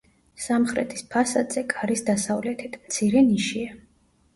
სამხრეთის ფასადზე, კარის დასავლეთით, მცირე ნიშია.